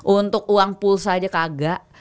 untuk uang pulsa aja kagak